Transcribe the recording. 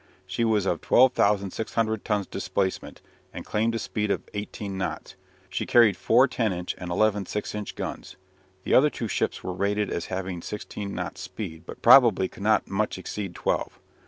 She was of 12,600 tons displacement, and claimed a speed of eighteen knots. She carried four 10 inch and eleven 6 inch guns. The other two ships were rated as having sixteen knots speed, but probably could not much exceed twelve.